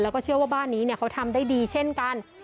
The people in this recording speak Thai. แล้วก็เชื่อว่าบ้านนี้เขาทำได้ดีเช่นกัน